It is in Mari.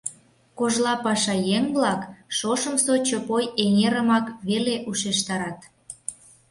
Кожла пашаеҥ-влак шошымсо Чопой эҥерымак веле ушештарат.